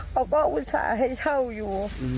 เขาก็อุตส่าห์ให้เช่าอยู่